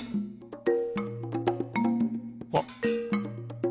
あっ。